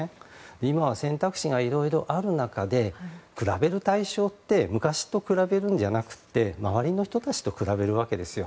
今は選択肢がいろいろある中で比べる対象って昔と比べるんじゃなくて周りの人たちと比べるわけです。